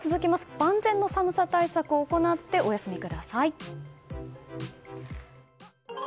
万全の寒さ対策を行ってお休みください。